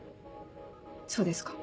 そうですか。